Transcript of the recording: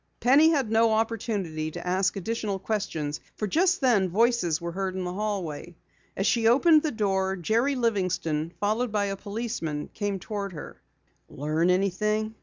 Penny had no opportunity to ask additional questions for just then voices were heard in the hallway. As she opened the door, Jerry Livingston, followed by a policeman, came toward her. "Learn anything?"